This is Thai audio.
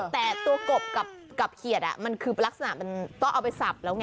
แต่ตัวกบกับเขียดมันคือลักษณะมันต้องเอาไปสับแล้วไง